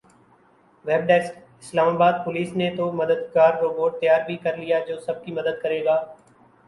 web desk Islamabad police نے تو مددگار روبوٹ تیار بھی کرلیا جو سب کی مدد کرے گا